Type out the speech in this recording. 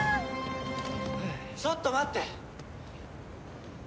ちょっと待って！